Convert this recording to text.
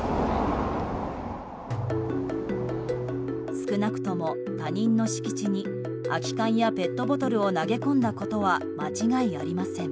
少なくとも他人の敷地に空き缶やペットボトルを投げ込んだことは間違いありません。